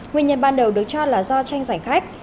nguyên nhân ban đầu được cho là do tranh giải khách